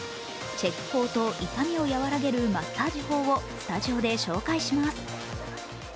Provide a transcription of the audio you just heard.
チェック法と痛みを和らげるマッサージ法をスタジオで紹介します。